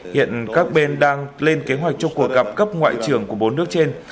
hiện các bên đang lên kế hoạch cho cuộc gặp cấp ngoại trưởng của bốn nước trên